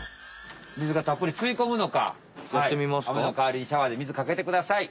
水がたっぷりすいこむのか雨のかわりにシャワーで水かけてください。